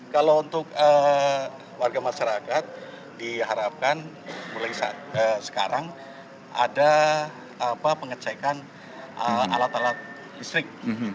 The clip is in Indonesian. kalau untuk warga masyarakat diharapkan mulai sekarang ada pengecekan alat alat listrik